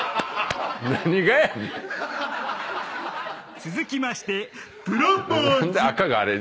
続きまして「プロポーズ」何で。